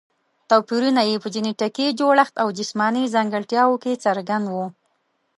توپیرونه یې په جینټیکي جوړښت او جسماني ځانګړتیاوو کې څرګند وو.